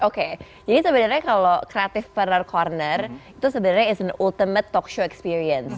oke jadi sebenarnya kalau creative partner corner itu sebenarnya is an ultimate talk show experience